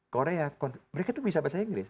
korea mereka tuh bisa bahasa inggris